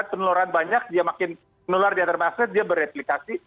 jadi kalau peneloran banyak dia makin menular di antar masyarakat dia bereplikasi